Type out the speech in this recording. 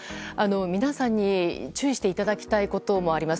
皆さんに、注意していただきたいこともあります。